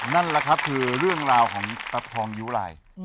นั่นแหละครับคือเรื่องราวของตะทองยุไร